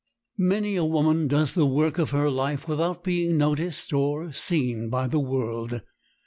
Many a woman does the work of her life without being noticed or seen by the world.